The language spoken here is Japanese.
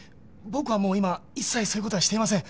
僕は今一切そういうことはしていません。